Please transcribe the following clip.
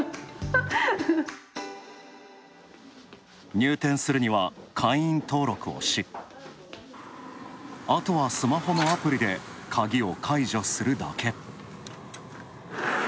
入店するには会員登録をし、あとはスマホのアプリでカギを解除するだけ。